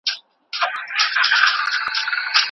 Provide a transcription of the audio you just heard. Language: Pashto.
ځیني خلک په خپلو ورځنیو چارو کي توازن نه مراعاتوي.